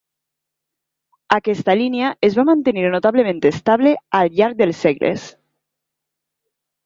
Aquesta línia es va mantenir notablement estable al llarg dels segles.